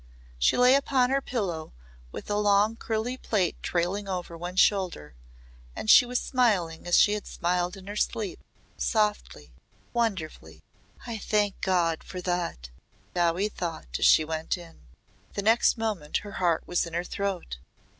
She lay upon her pillow with a long curly plait trailing over one shoulder and she was smiling as she had smiled in her sleep softly wonderfully. "I thank God for that," Dowie thought as she went in. The next moment her heart was in her throat.